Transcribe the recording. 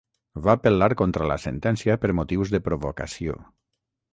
Va apel·lar contra la sentència per motius de provocació.